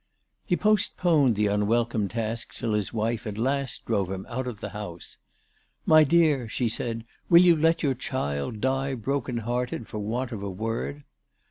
He postponed the unwelcome task till his wife at last drove him out of the house. " My dear," she said, " will you let your child die broken hearted for want of a word